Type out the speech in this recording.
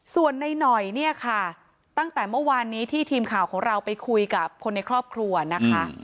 ส่วนในหน่อยเนี่ยค่ะตั้งแต่เมื่อวานนี้ที่ทีมข่าวของเราไปคุยกับคนในครอบครัวนะคะ